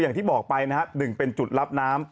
อย่างที่บอกไปหนึ่งเป็นจุดรับน้ำ